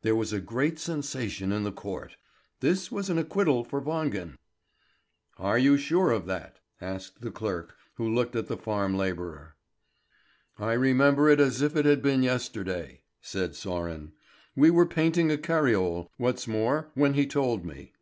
There was a great sensation in the court. This was an acquittal for Wangen. "Are you sure of that?" asked the clerk, and looked at the farm labourer. "I remember it as if it had been yesterday," said Sören. "We were painting a cariole, what's more, when he told me."